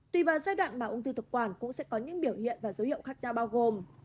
tùy vào giai đoạn mà ung thư thực quản cũng sẽ có những biểu hiện và dấu hiệu khác nhau bao gồm